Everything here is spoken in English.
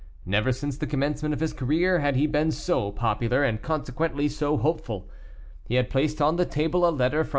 Never since the commencement of his career had he been so popular, and consequently so hopeful. He had placed on the table a letter from M.